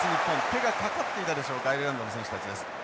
手がかかっていたでしょうかアイルランドの選手たちです。